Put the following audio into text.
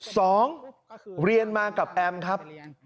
สองเรียนมากับแอมครับ